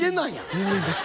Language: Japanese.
人間です。